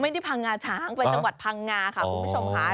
ที่พังงาช้างไปจังหวัดพังงาค่ะคุณผู้ชมค่ะ